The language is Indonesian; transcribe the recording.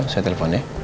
saya telepon ya